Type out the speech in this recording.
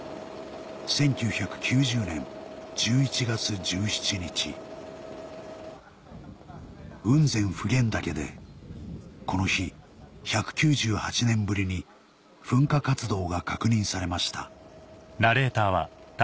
１９９０年１１月１７日雲仙普賢岳でこの日活動が確認されました